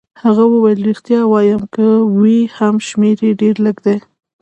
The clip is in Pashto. هغه وویل: ریښتیا وایم، که وي هم شمېر يې ډېر لږ دی.